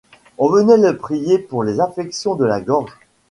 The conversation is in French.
On venait le prier pour les affections de la gorge.